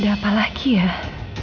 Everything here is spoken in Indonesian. ada apalagi ah